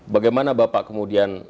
bagaimana bapak kemudian